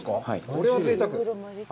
これはぜいたく。